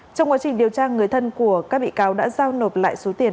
trong quá trình điều tra người thân của các bị cáo đã giao nộp lại số tiền